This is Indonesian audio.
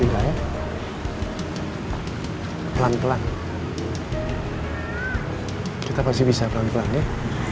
iya iya bentar bentar